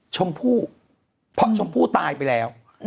ชมพู่ชมพู่ตายไปแล้ว